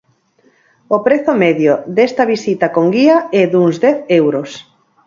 O prezo medio desta visita con guía é duns dez euros.